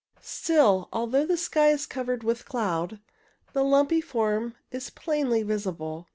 Still, although the sky is covered with cloud, the lumpy form is plainly visible.